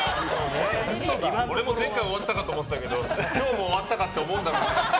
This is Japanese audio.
俺も前回終わったかと思ってたけど今日も終わったかって思うんだろうね。